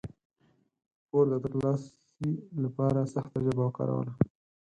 پور د ترلاسي لپاره سخته ژبه وکاروله.